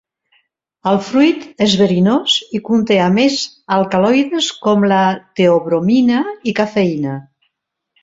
El fruit és verinós i conté a més alcaloides com la teobromina i cafeïna.